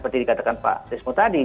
masyarakat dengan tadi menguatkan itu